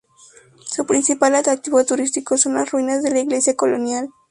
Su principal atractivo turístico son las ruinas de su iglesia colonial.